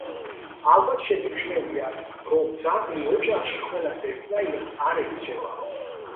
ალბათ შეგიმჩნევიათ, რომ ძაღლი ოჯახში ყველას ერთნაირად არ ექცევა.